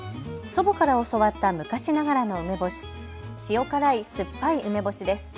祖母から教わった昔ながらの梅干し、塩辛い、酸っぱい梅干しです。